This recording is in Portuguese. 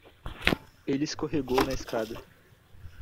Ele escorregou na escada.